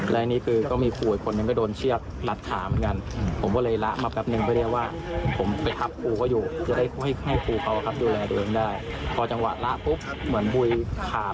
แต่ในจำวักเกาะก็คือเหมือนว่า